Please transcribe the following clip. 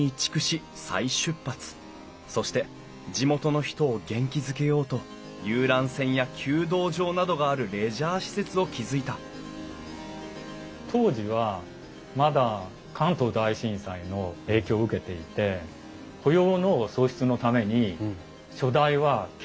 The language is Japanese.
そして地元の人を元気づけようと遊覧船や弓道場などがあるレジャー施設を築いた当時はまだ関東大震災の影響を受けていて雇用の創出のために初代は決意したんだと思います。